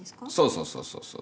そうそうそうそう。